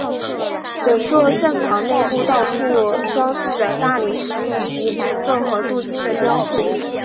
整座圣堂内部到处装饰着大理石以及白色和镀金的雕塑。